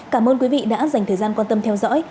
cảm ơn quý vị đã dành thời gian quan tâm theo dõi